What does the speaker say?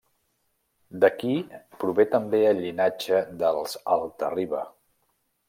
D'aquí prové també el llinatge dels Alta-riba.